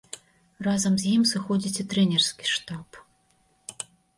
Разам з ім сыходзіць і трэнерскі штаб.